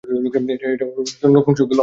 এটা উনার নপুংসক গোলাম!